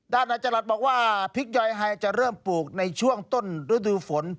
นายจรัสบอกว่าพริกยอยไฮจะเริ่มปลูกในช่วงต้นฤดูฝน